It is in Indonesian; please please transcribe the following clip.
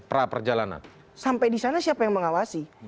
pra perjalanan sampai di sana siapa yang mengawasi